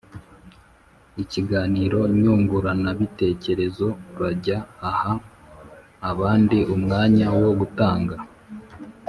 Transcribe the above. ikiganiro nyunguranabitekerezo urajya aha abandi umwanya wo gutanga